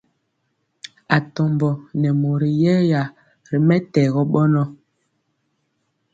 Atombo nɛ mori yɛya ri mɛtɛgɔ bɔnɔ.